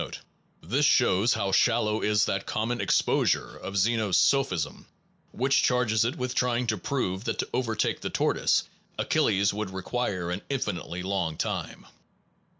To do so would oblige him to exhaust, 1 This shows how shallow is that common exposure of Zeno s sophism, which charges it with trying to prove that to overtake the tortoise, Achilles would require an infinitely long time.